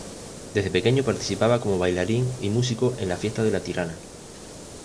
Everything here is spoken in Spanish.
Desde pequeño participaba como bailarín y músico en la Fiesta de la Tirana.